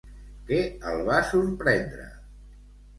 Què el va sorprendre?